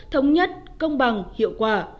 thống nhất công bằng hiệu quả